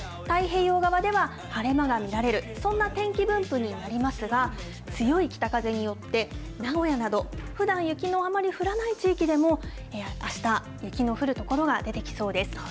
太平洋側では晴れ間が見られる、そんな天気分布になりますが、強い北風によって名古屋など、ふだん雪のあまり降らない地域でも、あした、雪の降る所が出てきそうです。